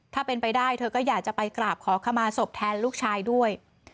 ถ้าเป็นไปได้เธอก็อยากจะไปกราบขอขมาศพแทนลูกชายด้วย